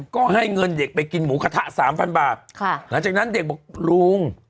ก็ให้เงินเด็กไปกินหมูกระทะสามพันบาทค่ะหลังจากนั้นเด็กบอกลุง